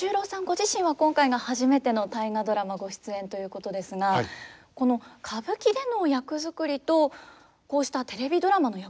ご自身は今回が初めての「大河ドラマ」ご出演ということですがこの歌舞伎での役作りとこうしたテレビドラマの役作りというのは結構違うものなんですか？